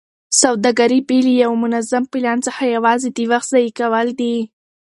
سوداګري بې له یوه منظم پلان څخه یوازې د وخت ضایع کول دي.